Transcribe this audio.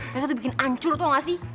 mereka tuh bikin ancur tau gak sih